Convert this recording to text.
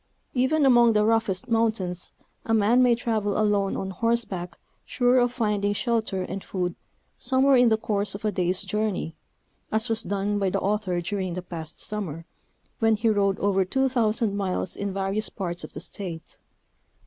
Even among the roughest mountains a man may travel alone on horseback sure of finding shelter and food somewhere in the The Irrigation Problem in Montana. 217 course of a day's journey, as was done by the author during the past summer, when he rode over 2,000 miles in various parts of the State.